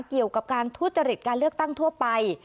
เกี่ยวกับการทุจริตการเลือกตั้งทั่วไป